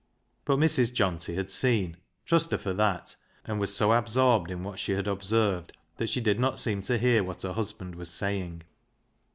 But Mrs. Johnty had seen, trust her for that, and was so absorbed in what she had observed, that she did not seem to hear what her husband was saying.